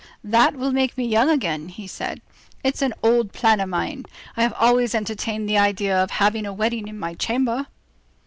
"That will make me young again," he said. "It's an old plan of mine. I have always entertained the idea of having a wedding in my chamber."